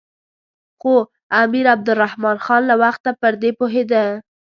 خو امیر عبدالرحمن خان له وخته پر دې پوهېده.